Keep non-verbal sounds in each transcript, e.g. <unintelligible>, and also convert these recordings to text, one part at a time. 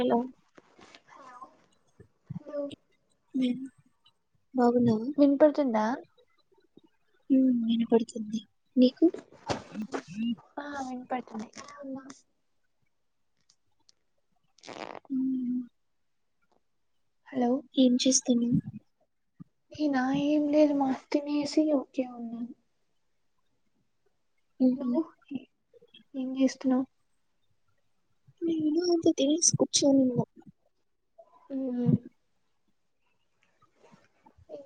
Hello ఉం hello బాగున్నావా విన్పడుతుందా. ఉం వినపడుతుంది. నీకు? ఆ వినుపడుతుంది. ఆమ్ ఉమ్, హలో ఏం చేస్తున్నవు. నేనా ఏం లేదు మా తినేసి ఊకే ఉన్నా. హు హామ్ ఎంచేస్తున్నవు. న ఇను అంత తినసు కూర్చో <unintelligible> హు హామ్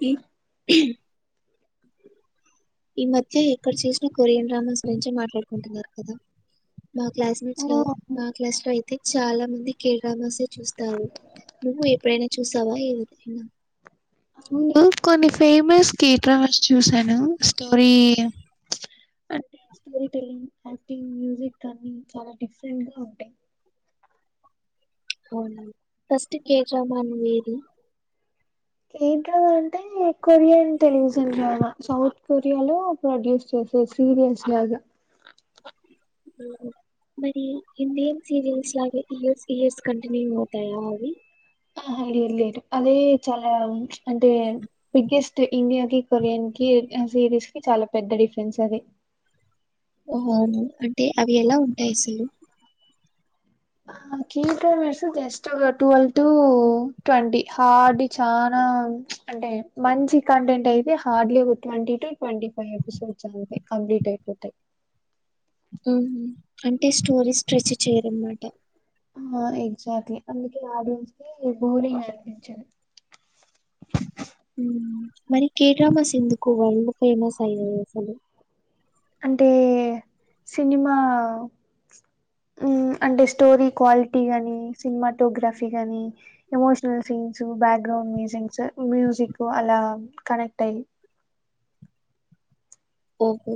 ఈ <unintelligible> ఈ మధ్య ఎక్కడ చూసిన కొరియన్ డ్రామాస్ గురించి మాట్లాడుకుంటున్నారు కదా. మా క్లాస్మేట్స్ లో ఆ మా క్లాస్ లో అయితే చాలా మంది కేడ్రామాసే చూస్తారు. నువ్వు ఎప్పుడైనా చూసావా ఏదన్నా <unintelligible> ఉను కొన్ని <unintelligible> ఫేమస్ కేటర్ <unintelligible> ఫస్ట్ చూసాను story story telling, acting, music అన్ని చాలా డిఫరెంట్గా ఉంటయి. <unintelligible> అవును ఫస్ట్ కేడ్రామా ను వేది <unintelligible> కేడ్ర అంటే కొరియన్ టెలివిజన్ డ్రామా సౌత్ కొరియాలో ప్రోడ్యూస్ చేసేది సీరియల్స్ లాగా. హు హామ్ మరి ఇండియన్ సీరియల్స్ లాగే ఇయర్స్ ఇయర్స్ కంటిన్యూ అవుతాయా అవి. ఆహా లేదు లేదు అదే చాలా చ్ అంటే బిగ్గెస్ట్ ఇండియాకి కొరియన్ కి సిరీస్ కి చాలా పెద్ద డిఫరెన్స్ అది. ఓహొ అవును అంటే అవి ఎలా ఉంటాయి అసలు. ఆ కెడ్రామాస్ జస్ట్ ఒక ట్వల్వ్ టు ట్వంటీ హార్డ్లీ చానా <unintelligible> అంటే మంచి కంటెంట్ అయితే హార్డ్లీ ఒక twenty to twenty five episodes అంతే. కంప్లీట్ అయిపోతయి. హు హామ్ అంటే స్టోరీ చూసి చేయరనమాట. ఆ ఎగ్జాక్ట్లీ అందుకే ఆడియన్స్కి భూరింగ్ అనిపించి ఉం మరి కేడ్రామాస్ ఎందుకు వరల్డ్ ఫేమస్ అయ్యయి అసలు అంటే సినిమా ఉం అంటే స్టోరీ క్వాలిటీ కానీ సినిమాటోగ్రఫీ కానీ emotional scenes, background musings music అలా కనెక్ట్ అయ్యి ఓహో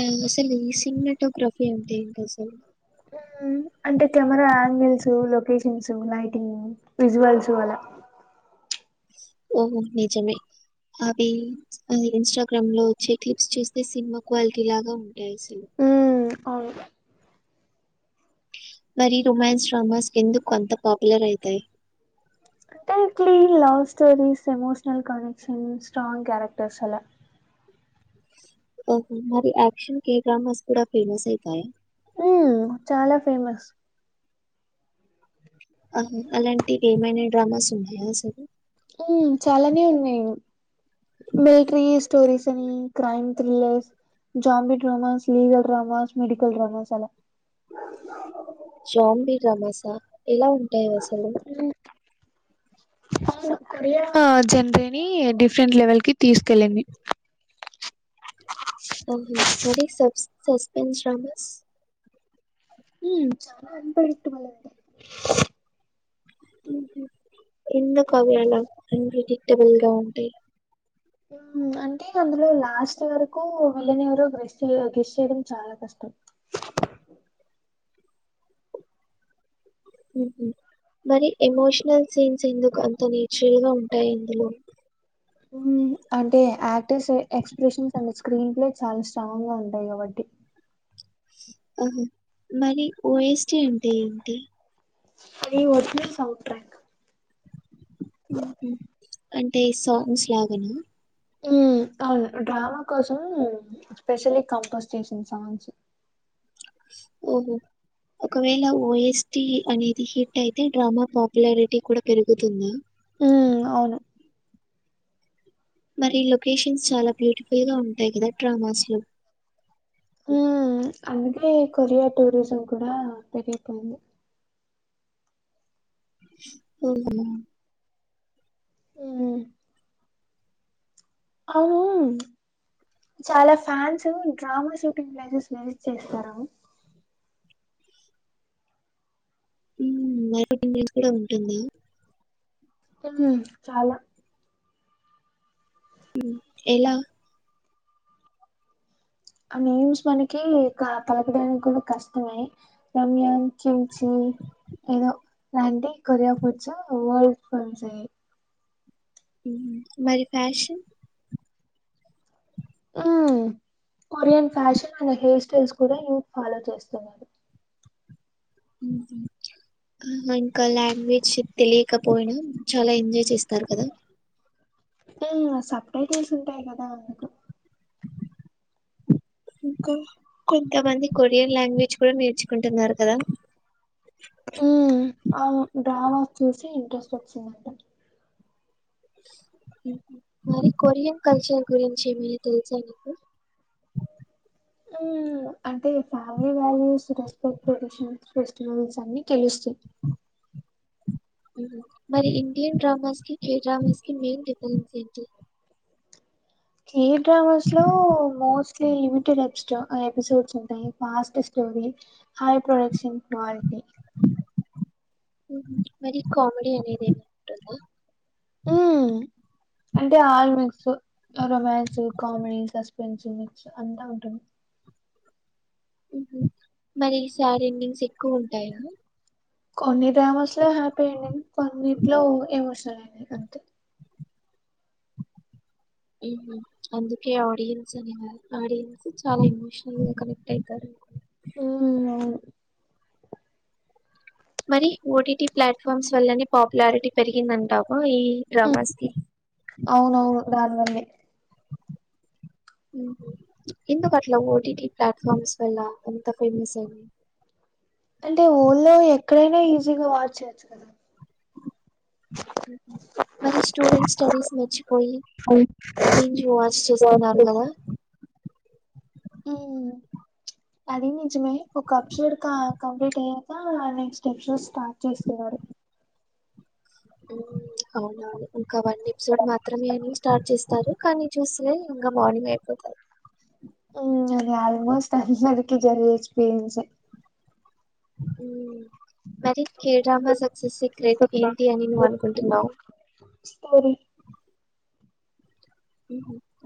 ఆ అసలు ఈ సినిమాటోగ్రఫీ అంటే ఏంటి అసలు ఉం అంటే camera angles locations lighting visuals అలా ఓహో నిజమే అవి అది ఇన్స్టాగ్రామ్ లో వచ్చే క్లిప్స్ చూస్తే సినిమా క్వాలిటీ లాగా ఉంటాయి అసలు. ఉ అవును. మరి రొమాన్స్ డ్రామాస్ ఎందుకు అంత పాపులేర్ అయితయ్. కానీ clean love stories emotional connection strong characters అలా. ఓహో మరి యాక్షన్ కే గ్రామస్ కూడా ఫేమస్ అయితాయ. ఉ చాలా ఫేమస్. ఆహా అలాంటివి ఏమైనా డ్రామాస్ ఉన్నాయా అసలు. హుమ్ చాలానే ఉన్నయే మో. బేట్రీ స్టోరీస్ అన్ crime thrillers. Zombie dramas legal dramas medical dramas అలా. జామ్ బీ డ్రామాస్ ఎలా ఉంటాయి అసలు. <unintelligible> కొరియా జెండ్ అని డిఫరెంట్ లెవెల్ కి తీసుకెళ్ళింది. ఆహ మరి సబ్ సస్పెన్స్ డ్రామాస్. హ్ చాలా అన్ప్రేడిక్టబుల్ అండి. ఉహు ఎన్న కవులలా ఎన్నిడిక్టబుల్ గా ఉంటాయి. ఉమ్ అంటే అందులో లాస్ట్ వరకూ వెళ్ళనివరో గ్రెస్ట్ ఏ గ్రెస్ట్ చేయడం చాలా కష్టం. ఉహు మరి ఎమోషనల్ సీన్స్ ఎందుకు అంత నేచురల్ గా ఉంటాయి ఇందులో. హ్మ్ అంటే యాక్టర్స్ ఎక్స్ప్రెషన్స్ అంటే స్క్రీన్ ప్లే చాలా స్ట్రాంగ్ గా ఉంటాయి కాబట్టి. ఆహో మరి ఓఎస్టి అంటే ఏంటి. ఫ్రీ వర్జినల్ సౌండ్ ట్రాక్. ఉహు అంటే సాంగ్స్ లాగానా. మ్ అవును డ్రామా కోసం స్పెషల్లీ కంపోజ్ చేసింది సాంగ్స్. ఓహో. ఒకవేళ ఓఎస్టి అనేది హిట్ అయితే డ్రామా పాపులారిటీ కూడా పెరుగుతుంద. ఉమ్ అవును. మరి లొకేషన్స్ చాలా బ్యూటిఫుల్ గా ఉంటాయి గదా డ్రామాస్ లో. ఉమ్ అందుకే కొరియా టూరిజం కూడా పెరిగిపోయింది. ఓహో. ఉమ్. అవునూ. చాలా fans drama shooting places visit చేస్తారు. ఉమ్ మరకటి మిన్స్ కూడా ఉంటుంది. ఉమ్ చాలా. ఉమ్ ఎలా. ఆ నేమ్స్ మనకి కా పలకడానికూడా కష్టమే. రమ్యాం చించి. ఏదో లాంటి కొరియా ఫుడ్స్ వరల్డ్ కస్ అయయి. ఉమ్ మరి ఫ్యాషన్. ఉమ్ కొరియన్ ఫ్యాషన్ అనే హెయిర్ స్టైల్స్ కూడా ఈమె ఫాలో చేస్తున్నారు. ఉహు. ఉహు ఇంకా లాంగ్వేజ్ తెలియకపోయినా చాలా ఎంజాయ్ చేస్తారు కదా. ఉమ్ సబ్ టైటల్స్ ఉంటాయి కదా అందుకు. ఇంకా కొంతమంది కొరియన్ లాంగ్వేజ్ కూడా నేర్చుకుంటున్నారు కదా. ఉమ్ అవును డ్రామా చూసి ఇంట్రెస్ట్ ఓచ్చిందంట. మరి కొరియన్ కల్చర్ గురించి ఏమైనా తెలుసా నీకు ఆ అంటే family values respect traditions festivals అన్ని తెలుసు <unintelligible> మరి ఇండియన్ డ్రామాస్ కి కే డ్రామాస్ కి మెయిన్ డిఫరెన్స్ ఏంటి కేవ డ్రామాస్ లో మోస్ట్లీ లిమిటెడ్ ఎపిస్టో ఎపిసోడ్స్ ఉంటాయి fast story high production quality మరి కామెడీ అనేది ఏ ఉ అంటే all mix romance comedy suspense mix అంతా ఉంటుంది ఉహు మరి ఈ సారీ ఇన్నింగ్స్ ఎక్కువ ఉంటాయా కొన్ని డ్రామా స్లో లో హ్యాపీ ఎండింగ్ కొన్నిటిలో ఎమోషనల్ ఎండింగ్ ఉహు అందుకే ఆడియన్స్ అనే ఆడియన్స్ చాలా ఎమోషనల్ గా కనెక్ట్ అయితారు ఉ అవును మరి ఓటీటీ ప్లాట్ఫామ్స్ వల్లనే పాపులారిటీ పెరిగిందంటావా ఈ మ్మ్. డ్రామాస్ కి అవునవును దానివల్లే ఎందుకు అట్లా ఓటిటి ప్లాట్ఫార్మ్స్ వల్ల అంత ఫేమస్ అయింది అంటే వరల్డ్ లో ఎక్కడైనా ఈజీగా వాచ్ చేయొచ్చు కదా మరి స్టూడెంట్ స్టడీస్ మర్చిపోయి అవును. <unintelligible> వాచ్ చేస్త చెస్తున్నారు కదా ఉ అది నిజమే ఒక ఎపిసోడ్ కంప్లీట్ అయ్యాక నెక్స్ట్ ఎపిసోడ్ స్టార్ట్ చేస్తున్నారు అవునవును ఇంకా వన్ ఎపిసోడ్ మాత్రమే అని స్టార్ట్ చేస్తారు కానీ చూస్తూనే ఇంకా మార్నింగ్ అయిపోతది ఉ అది ఆల్మోస్ట్ అందరికీ జరిగే ఎక్స్పీరియన్స్ ఉ మరి కే డ్రామా సక్సెస్ సీక్రెట్ ఏంటి అని నువ్వు అనుకుంటున్నావు స్టోరీ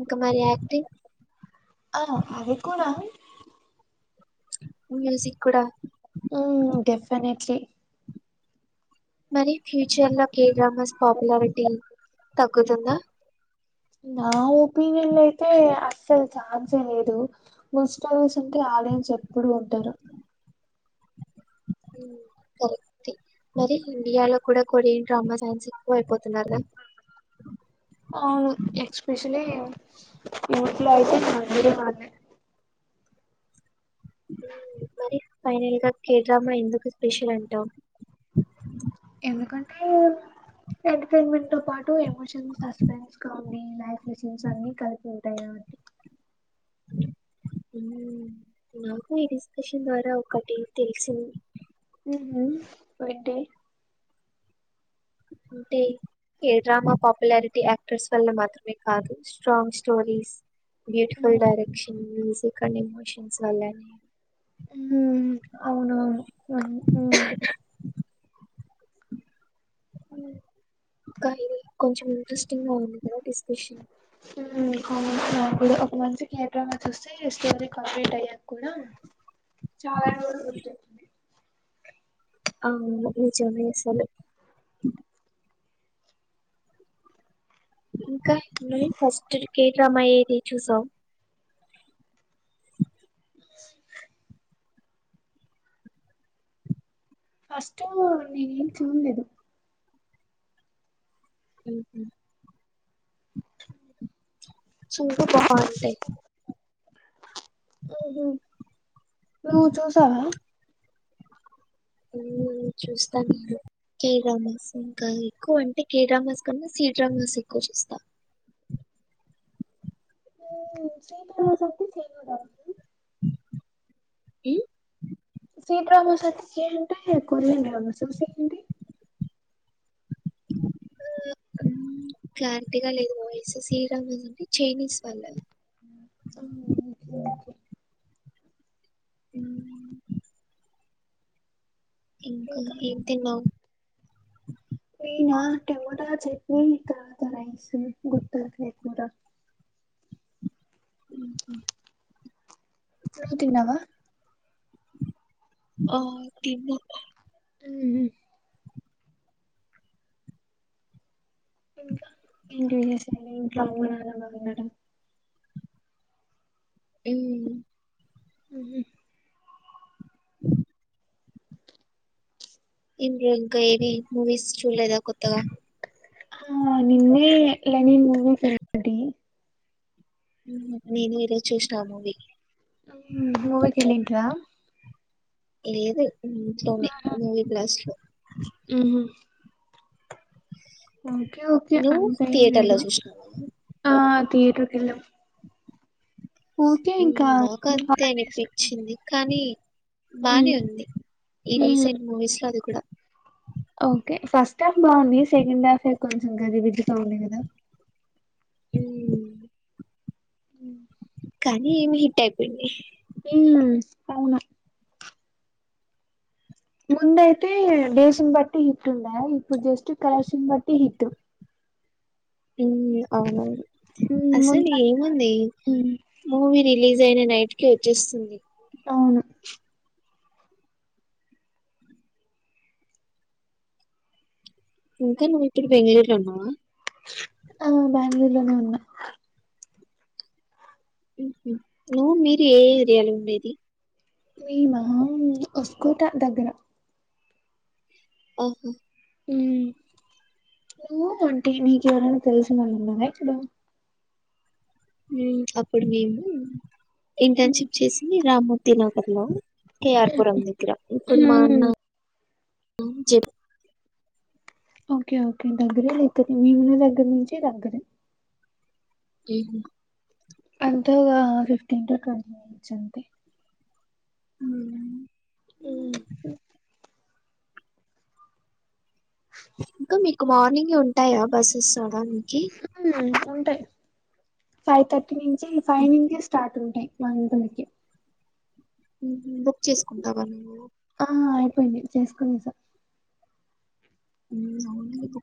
ఇంకా మరి యాక్టింగ్ ఆ అది కూడా మ్యూజిక్ కూడా ఉ డెఫినెట్లీ మరి ఫ్యూచర్ లో కే డ్రామాస్ పాపులారిటీ తగ్గుతుందా నా ఒపీనియన్ లో అయితే అస్సలు ఛాన్సే లేదు గుడ్ స్టోరీస్ ఉంటే ఆడియన్స్ ఎప్పుడు ఉంటారు కరెక్ట్ మరి ఇండియాలో కూడా కొరియన్ డ్రామా ఫ్యాన్స్ ఎక్కువ అయిపోతున్నారు కదా అవును ఎక్స్పెషలీ యూత్ లో అయితే <unintelligible> మరి ఫైనల్ గా కే డ్రామా ఎందుకు స్పెషల్ అంటావు ఎందుకంటే ఎంటర్టైన్మెంట్ తో పాటు ఎమోషన్ సస్పెన్స్ గా ఉండి లైఫ్ మోషన్స్ అన్ని కలిపి ఉంటాయి కాబట్టి నాకు ఈ డిస్కషన్ ద్వారా ఒకటి తెలిసింది ఉహు ఏంటి అంటే ఏ డ్రామా పాపులారిటీ యాక్టర్స్ వల్ల మాత్రమే కాదు strong stories beautiful um, direction music and emotions వల్లనే మ్మ్ అవునవును అ మ్ కా ఇది కొంచెం ఇంట్రెస్టింగ్గా ఉంది కదా డిస్కషన్ మ్ అవును నాకు కూడా ఒక మనసుకు ఏర్ డ్రామ చూస్తే స్టోరి కంప్లీట్ అయ్యక కూడా చాలా రోజులు ఉంటుంది అవును నిజమే అసలు ఇంకా ఫస్ట్ కేడ్రామా ఏది చూసావ్ ఫస్ట్ నేనే ఏం చూడలేదు మ్ చూడు బాగుంటాయి మ్ హు నువ్వు చూసావా మ్ చూస్తా నిను కేడ్రామస్ ఇంకా ఎక్కువ అంటే కేడ్రామస్ కన్నా సిడ్రామాస్ ఎక్కువ చూస్తా మ్ సి డ్రామస్ అంటే సి ఉడ్ అ మ్ సీ డ్రామాస్ అంటే సి అంటే కొరియన్ డ్రామస సి ఏంటి క్లారింటిగా లేదు వయిస్ శసి డ్రామ అంటే చైనీస్ వాళ్లవి ఆ ఒకే ఒకే మ్ ఇంకా ఏం తిన్నావు నినా టమోటా చట్నీ తర్వాత రైస్ గుత్తి వంకాయ కూర మ్ హు నువ్ తిన్నవా ఆ తిన్న మ్ హు ఇంకా ఎంటి విశేషాలు ఇంట్లో అమ్మ నాన్న బాగున్నారా మ్ మ్ హు అ ఇంద్ ఇంకా ఏది మూవీస్ చూడలేదా కొత్తగా ఆ నిన్నే లెనిన్ మూవీకేళ్ టి మ్ హు నేనుఈ రోజు చూసినా ఆ మూవీ మ్ మూవీకేళ్లింట్ర లేదు ఇంట్లోనే మూవీ బ్లాస్ట్ లో మ్ హు ఓకే ఓకే నువ్వు అంతైం థియేటర్ లో లేదు చూసినావా ఆ థియేటర్ కెల్లం ఇంకా మ్ నాకు అంతే హాలిడేస్ అనిపించింది కానీ బానే ఉంది ఈ ఉ రీసెంట్ మూవీస్ లో అది కూడా ఓకే ఫస్ట్ హాఫ్ బాగుంది సెకండ్ హాఫ్ే కొంచెం గజి బిజీ గా ఉంది కదా మ్ మ్ కానీ ఏమి హిట్ అయిపోయింది మ్ అవును ముందయితే దేశం బట్టి హిట్ ఉన్నాయా ఇప్పుడు జస్ట్ కరప్శన్ బట్టి హిట్ మ్ అవునవును హ్మ్. అసలు ఉంటా. ఏముంది హ్మ్. మూవీ రిలీజ్ అయిన నైట్ కి వచ్చేస్తుంది అవును ఇంకా నువ్ ఇప్పుడు బెంగుళూరు లో వున్నావా ఆ బ్యాంగుళూరులోనే ఉన్నా నువ్వు మీరు ఏ ఏరియాలో ఉండేది మేమా ఒసుకోట దగ్గర ఓహో ఊ నువ్వు అంటే నీకెవరైనా తెలిసిన వాల్ ఉన్నారా అక్కడ అప్పుడు మేము హ్మ్. ఇంటర్న్షిప్ చేసింది రామ్మూర్తి నగర్ లో కేఆర్పురం దగ్గర ఇప్పుడు మా అన్న హ్మ్. జెప్ ఓకే ఓకే దగ్గర దగ్గర మేమున దగ్గర నుంచి దగ్గరే ఏహు అంత ఒక ఫిఫ్టీన్ టు ట్వంటీ వచ్చింది ఊ స ఇంకా మీకు మార్నింగ్ ఉంటాయా బస్సెస్ రడానికి ఉంటాయి ఫైవ్ థర్టీ నుంచి ఫైవ్ నుంచి స్టార్ట్ ఉంటాయి వన్ టు కే ఊ బుక్ చేసుకుంటావా నువ్వు ఆ అయిపోయింది చేసుకుంటా ఊ అవును అదే